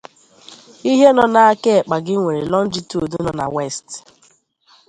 Ihe no na aka-ikpa gi nwere longitude no na "West".